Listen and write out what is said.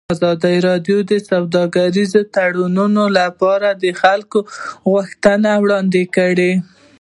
ازادي راډیو د سوداګریز تړونونه لپاره د خلکو غوښتنې وړاندې کړي.